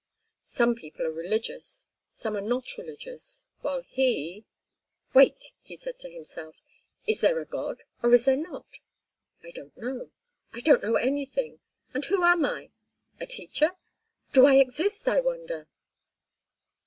Some people are religious, some are not religious, while he— "Wait," he said to himself. "Is there a God, or is there not? I don't know. I don't know anything. And who am I—a teacher? Do I exist, I wonder?"